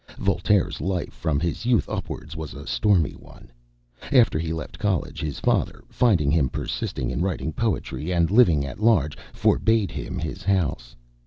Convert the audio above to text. Voltaire's life, from his youth upwards, was a stormy one. After he left College, his father, finding him persist in writing poetry, and living at large, forbade him his house.